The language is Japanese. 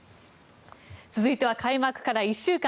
続いては開幕から１週間。